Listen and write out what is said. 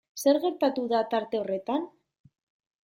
Zer gertatu da tarte horretan?